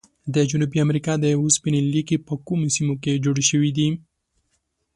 د جنوبي امریکا د اوسپنې لیکي په کومو سیمو کې جوړې شوي دي؟